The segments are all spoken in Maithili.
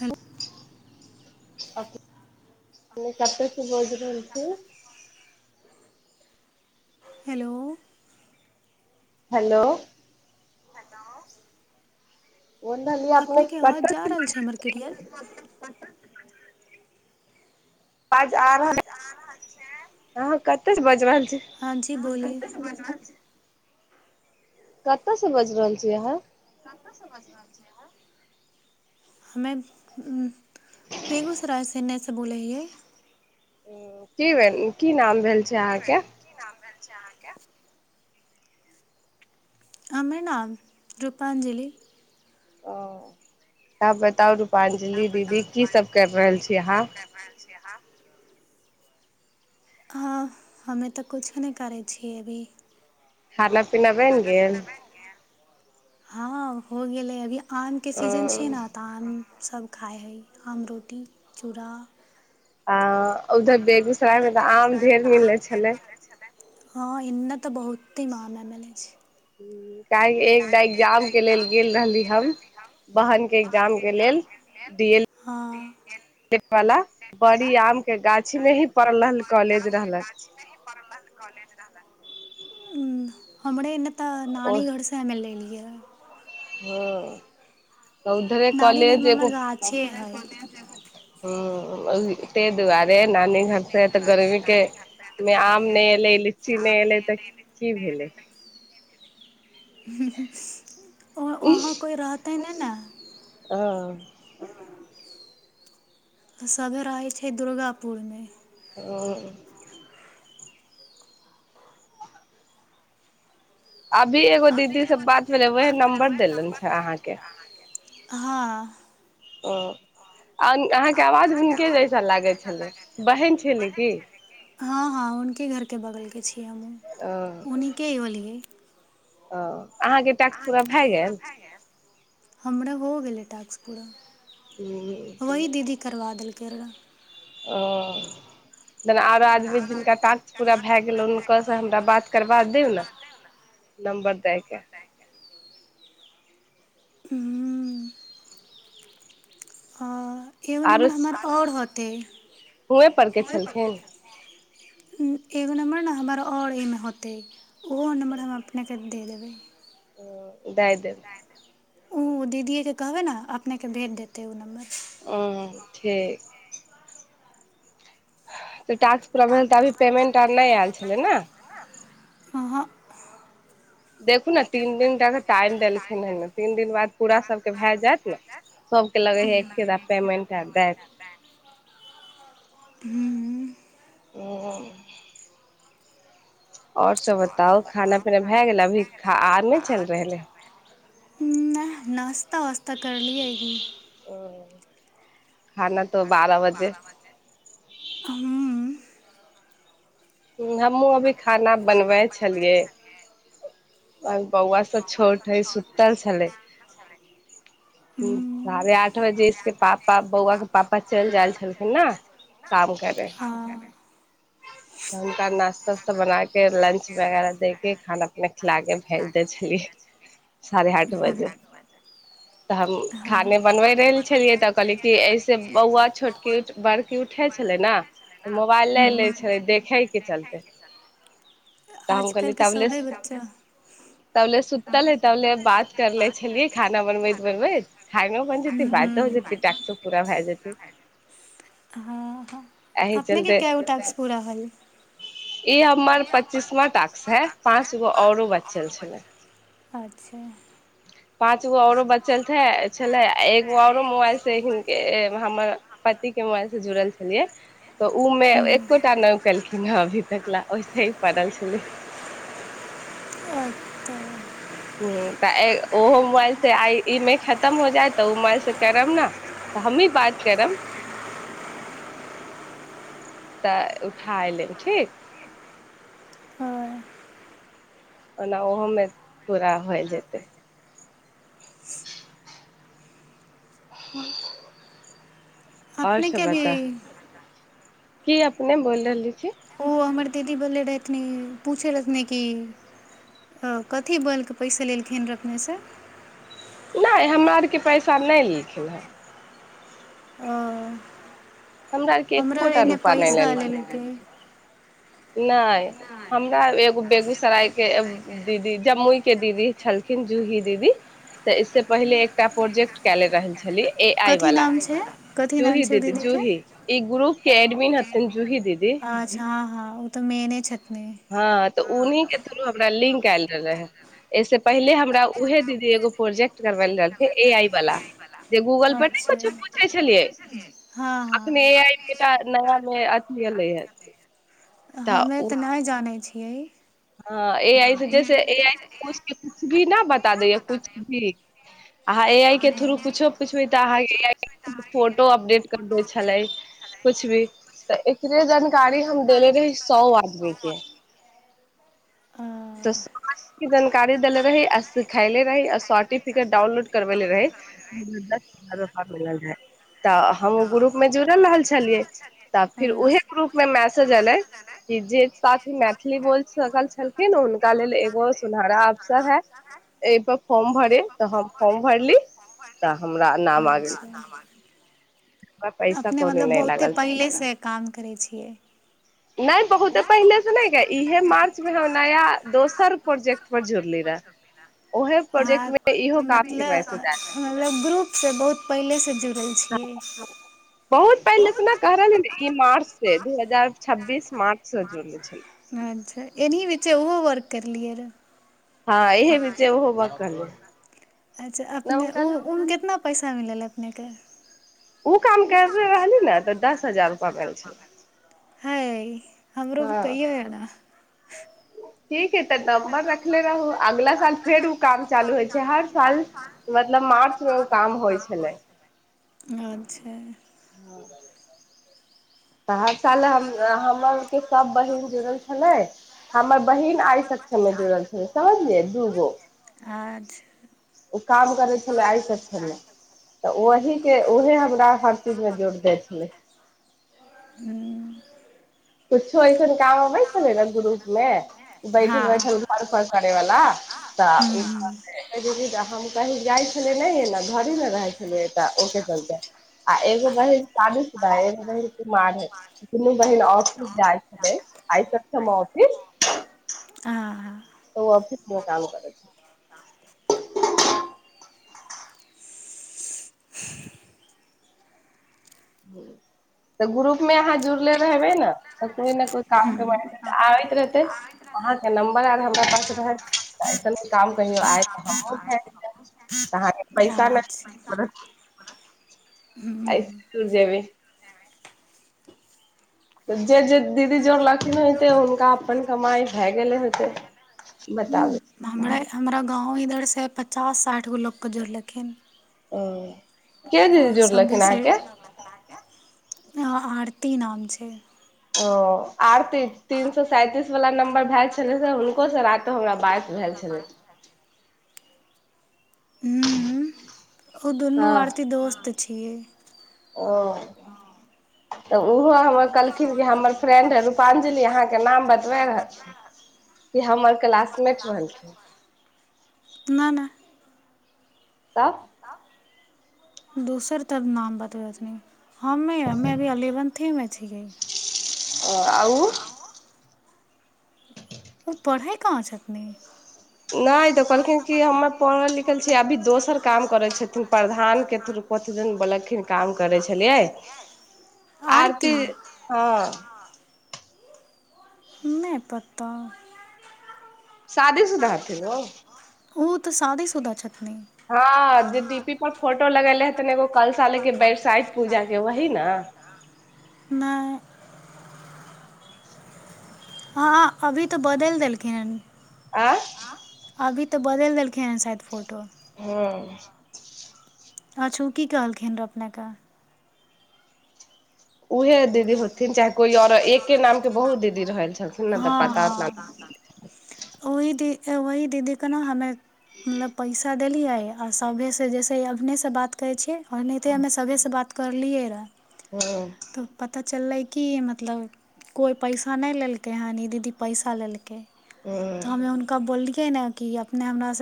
हन अपनेने कतेकसँ बझ रहल छी हेलो हेलो बोल रहलियै अपने अपनेके आवाज कतऽ जा से रहल छै हमर करियल आाज आ रहल अहाँ कते बाज रहल छी हँ जी बोलिय कतयसँ बाजि रहल छी अहाँ हमे बेगूसराय सेन्नयसँ बोलै हिययै ह की भेल की नाम भेल छै अहाँके हमर नाम रूपाञ्जली ओ तब बताउ रूपां्जलि दीदी कीसभ कर रहल छी अहाँ हँ हमे तऽ किछो नहि करै छियै अभी खाना पीनाबन गेले हँ हो गेलै अभी आमके सीजन छै ओ ने तऽ आम सभ खाइ हइ आम रोटी चूड़ा आ उधर बेगूसरायमे तऽ आम ढेर मिलै छलै हँ एने तऽ बहुते माम मले छै ह क एकटा एग्जाम के लेल गेल रहली हम बहिन के ए्जाम के लेल डी एल हँ वाल बड़ी आम के गाछी मे ही पढ़ रहल कॉलेज रहलक ह हमरा ए तऽ ओ नानेगढ़सँ आमेल लए हँ तऽ उधरे नानी कॉलेज घरमे हमरा एगो गाछ ह त दुआरे नान घर तऽ गर्मी के मे आम नहि एलै लीची नहि एलै तऽ की भेलै तने ने ह सभे रहै छै दुर्गापुरमे ओ अभी एगो दीदी सब बात भेले उह नं्बर देलन छै अहाँके हँ आओ छलै बहन छलै की हँ हँ हुनके घरके बगलके छीिय ओ हमहहुँ हुने होलियै ओ अहाँके टैक्स पूरा भए गेल हमरा हो गेलै टास्क पूरा ह करबा देलका जेना आरो आदमी जिनका ताकत पूरा भए गेल हुनकासँ हमरा बात करबा दउ ने नम्बर दएके ह आ एगो नम्बर हमर आओर होत त हुएँ परके छलखिन एगो नम्बर ने हमर आओर एहिमे होतै ओहो नम्बर हम अपनेके दे देबै दाय देब ओ दीदिे के कहबे ने अपनेके भेज देतै ओ नम्बर ओ ठीक तऽ टैक्स पूरा भेल तऽ अभी पेमेंट आर नहि आयल छलै ने हहाँ देखू ने तीन दिनाक टाइम देलखिन हेन तीन दिन बाद पूरा सभके भए जायत ने सबके लगे ह एकके पेमेंट आर देत हू आओर सब बताउ खाना पीना भए गेल अभी आर नहि चल रहले नहि नश्ता व्ता करली आइ ह खाना तऽ बारह बजे हूँ हमहुँ अभी खाना बनबै छलियै बौआ सब छोट है सुूतल छलै हूँ साढ़े आठ बजेके पापा बौआ के पापा चलि जाय छलखिन ने काम करे हँ तऽ हुनका नाास्ता उास्ता बना के लंच वगैरह दे के खाना अपने खिला के भेज देै छलियै साढ़े आठ बजे तऽ हम हँ खाने बनबे रहल छलियै तऽ कहलिय कि ऐसे बौआ छोटकी बड़की उठे छले ने मोबाइल ल ले हूँ छले खेलके चलत आजकलके सभी बच्चा तबल सुत ले तबल भात करले छलियै खाना बनबैत बनबैत खान ब जेत बाद्य हो हूँ हँ जेत ्स पू भए जेतै [unintelligible] एहि अपने के कास्क पूरा हल ए आ उमर पच्चीसवा टक्स है पाँच गो आओरो बच्चा छल अच्छा पाँच गो औरो बच्चल े छलै आ एगो औरो मोबाइल से हमर पति के मोबाइल से जुड़ल छलियै तऽ उमे हूँ एकोटा नौकेलखिन हे अभी तक ल ओहिसे ही पड़ल छलै ओ तऽ ह तऽ ओहो मोबाइल से आ ईमे खतम हो जाय तऽ ओ मोबाइल से करब ने तऽ हमी बात करब तऽ उठा एयलेब ठीक हँ ओना ओहोमे पूरा होय जेतै ह अपने क भी की अपने बोल रहली छी ओ हमर दीदी बोलले रहथिन पूछै रहथिन कि कथी बलके पैसा लेलखिन रह अपनेसँ नहि हमरा आरके पैसा नहि लेलखिन हेँ ओ हमरा आरके एकोटा एन्ने रूपा नहि पैसा लेलखिन लेलकै नहि हमरा एगो बेगूसराय के दीदी जम्मुई के दीदी छलखिन जूही दीदी तऽ इसस पहिले एकटा प्रोजेक्ट कले रहल छली ए आइ कथी वलाा नाम छै कथी नाम जूही छै ओ दीदी दीदीके जूही ई ग्रूप के एडमीन् हथिन जूही दीदी अच्छा हँ हँ ओ त मेने छथि हँ तऽ उह के थ्रू हमरा लिंक आयल रह रहे एहिस पहिले हमरा उहे दीदी एगो प्रोजेक्ट करबेल रहलथिे ए आई वाला जे गूगल पर ने अच्छा कुछो पूछे छलियै हँ अखने हँ ए आइ केटा नाम मे आत्मीय लै ह हमे तऽ नहि जानै छीै ह ह ए आइ से जैसे ए आइ कछु भी न बता दैया कुछ भी अहाँ ए आइ के थ्रू हँ कुछो पुछबै तऽ अहाँ ए आइ के फोटो अपडेट कर द छलै कछ भी तऽ एकरे जानकारी हम देले रही सए आदमी के ओ तऽ सब जानकारी देेले रही आ सिखले रही आ सर्टिफिकेट डाउनलोड करबेेले रही दस हजार रूपआ मिलल रहै तऽ हम ओ ग्रुप मे जुड़ल रहल छलियै तऽ फिर उहे ग्रुप मे मैसेज एले कि जे साथी मैथिली बोल सकल छलख न हुनका लेल एगो सुनहरा अफसर है एहि पर फॉर्म भरे तऽ हम फॉर्म भरली तऽ हमरा नाम आ गेल अच्छा अच्छा हमरा पैसा अपने कोनो मतलब नहि बहुते लागल पहिलेसँ काम करै छियै नहि बहुते पहिले से नहि इहे मार्च मे हम नया दोसर प्रोजेक्ट पर जुड़ली रहे ओहे प्रोजेक्ट अहाँ मे इहो काम के मतलब मैसेज आयल मतलब ग्रुप से बहुत पहिले से खै छियै बहुत पहिले त ने कह रहल ई मार्च से दू हजार छब्बीस मार्च से जुड़ने छलै अच्छा एना बीचे ओहो वर्क करलियै रऽ हँ इहे भीच होब कलू अच्छा अपने ओ ओहिमे कितना पैसा मिललक नहिगर ओ काम करे रहली ने तऽ दस हजार रुपा भेल छलै हइ हमरो हँ कहिो य ने ठीक है तऽ नम्बर रखले रहू अगला साल फेर ओ काम चालू होइ छै हर साल मतलब मार्च मे ओ काम होइ छलै अच्छा आ तऽ हर साल हम हमर के सभ बहिीन जुड़ल छलै हमर बहिीन आइ सक्षममे जुड़ल छलै समझलियै दू गो अच्छा ओ काम करै छलै आइसँ छलै तऽ ओहके ओहे हमरा हर चीजमे जोड़ जाइ छलै हूँ कुछो अऐसन काम अबै छलै ने ग्रुप मे बैठल हँ बैठल घर परर करै वाल हूँ तऽ हूँ कह जाइ छलिय नहि ने घर मे रहै छलियै तऽ ओके चलते आ एगो बहिन सादुस एगो बहिन कुमार है दुनू बहिन इै आइ सकथि मफिस हँ ओ ऑफिस मे काम कर छै तऽ ग्रुप मे अहाँ जुड़ले रहबै ने तऽ कोइ ने कोइ काज आबैत रहतै अहाँके नम्बर आर हमरा पास रहत ऐसन भ काम कहियो आयत तऽ हमहूँ भेज देब तऽ अहाँके पैसा अच्छा नहि पड़त, ह जेमे तऽ जे जे दीदी जोर लख्मी होतै हुनका अपन कमाइ भए गेलै होतै हूँ बताबू हमरा हमरा गाँव इधरसँ पचास साठि गो लोकके जोड़लखिन ओ क दीदी आओर सभे जोरलखिन से आहाँके आरती नाम छै ओ आरती तीन सो सैंतीस वाला नं्बर भेलए छले से हुनको से रातिो हमरा बाइस भेल छलै हूँ [unintelligible] ओ दुनू हँ आरती दोस्त छियै ओ तऽ ओहो हमर कहलखिन कि हमर फ्रेंड रूपांजलि अहाँके नाम बतबा रहलन कि हमर क्लासमेट रहलखिन नहि नहि तऽ दोसर तर नाम बतबैथिनी हमेी हमे अभी अलीवन्थीमे छियै ओ आउ ओ पढ़ै कहाँ छथिन नहि तऽ कहलखिन कि हममे पढ़ल लिखल छिय अभी दोसर काम करै छथिन प्रधान के थ्रू कथ दिन बोलखिन काम करै छलियै आरती हँ नहि पतौ साादी सुध हथ ओ तऽ साधे सुधा छ हँ अज ीपी पर फोटो लगेले हे तन एगो कलशा ले के बैरसाइत पूजा के वही ने नहि हँ अभी तऽ बदलि देलखिन हन आँ अभी तऽ बदलि देलखिन हँ शायद फोटो हँ अच्छा ओ की कहलखिन रहए अपनेकेँ उहे दीदी होथिन चाहे कोइ आओर एके नामके बहुत दीदी रहल छलखिन ने तऽ हँ पता हँ ओहि दी ओहि दीदीे ने हमे मतलब पैसा देलिए आओ सभेसँ जैसे अपभनेसँ बात करै छियै आओर नहिते हमे सभेसँ बात करलियै रऽ हँ तऽ चललै किी मतलब कोइ पैसा नहि लेलकै हन ई दीदी पैसा लेलकै तऽ हम्म हमे उुनक बोली के ने कि अपने हमरास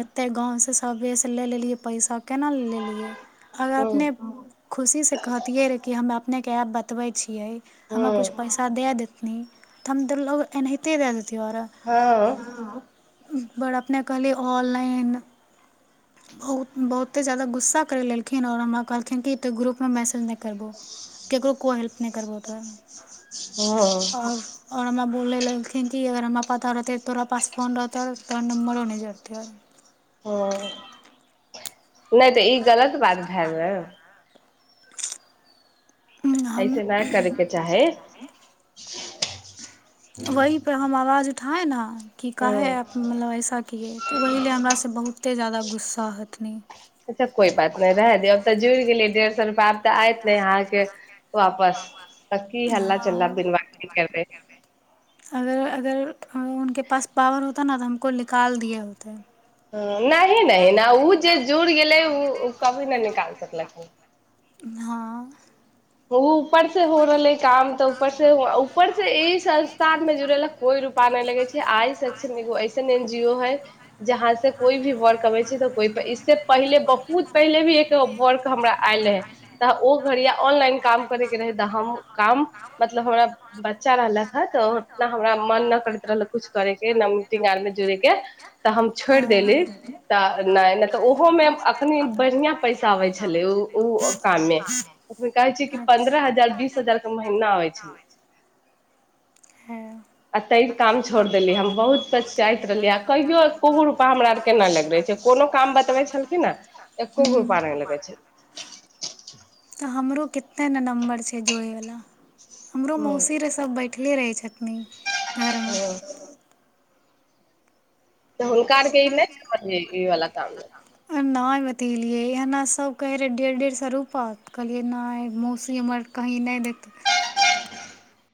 एते गाँवसँ सबेसँ ले लेलिै पैसा केना लेलियै अगर अपने खुशीसँ कहतै रह कि हम नहि कब बतबै हमरा हम्म कुछ पैसा दे दे एनी तऽ हम तऽ लोग एनाहिते दए देतिियै हँ बड़ अपने कहलिै ऑनलाइन बहुत बहुते जादाा गुस्सा करि लेलखिन आओर हमरा कहलखिन कि तऽ ग्रुपमे मैसेज नहि करबौ केकरो कोइ हेल्प नहि करबौ तो हँ आओर आओर हमरा बोल लगै कि अगर हम पदारत तोरा पासशफोन र तोर पर न मरो नहि जात ह हँ नहि तऽ ई गलत बात भेलए रह हम ऐसे नहि करैके चाहे वह पर हम आवाज उठ थाइल्ड की कहा हँ है मतलब ऐसा किए तऽ ओह ले हमरासँ बहुते जादा गुस्सा हथिनी अच्छा कोई बात नहि रह दे अब तऽ जुड़ गेलै डेढ़ सए रुपैआ तऽ आयत ने यहाँके ह बिन बात करबै अगर अगर उनक पास पावर होत न तऽ हमको निकाल दिए होते जुड़ गेलै ओ ओ कभी नहि निकाल सकलखिन हँ ओ ऊपर से हो रहलै काम तऽ ऊपर से ऊपर से ई संस्थान में जुड़े ला कोई रूपा नहि लगे छै आइ सकोऐस है जहाँ से कोई भी वर्क अै छै त को इस पले बहुत पहले भी एक वर्क हमरा आयल है तऽ ओ घड़िया ऑनलाइन काम करे के रहे तऽ हम काम मतलब हमरा बच्चा अच्छा रहलक हे तऽ उतना हमरा मन नहि करैत रहल कुछ करे के न मीटिंग आर मे जुड़े के तऽ हम छोड़ि देली तऽ नहि नहि तऽ ओहोमे अखनी बढ़िआं पैसा आबै छलै ओ ओ कमे त कह च पन्द्रह हजार बीस हजार के महीना आबै छलै हँ आ ता काम छोड़ देलियै हम बहुत पच्चाइत रहलियै आ कहियो एको गो रुपा हमरा आर केना लग रहै छै कोनो काम बतबै छलखिन ने एको गो रुपा नहि लगैत छल [unintelligible] हमरो कते ने नम्बर छै जोड़यवला हमरो मौसी ह रह सब बैठ कले रहै छथिन धरमे त हुनकके नहि ह ई वाला काम ह ना बतेलिै एना सब कहे रहे डेढ़ डेढ़ सए रुपा कहलियै न मौसी हमर कही नहि देते [unintelligible]